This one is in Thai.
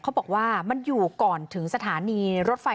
เขาบอกว่ามันอยู่ก่อนถึงสถานีรถไฟ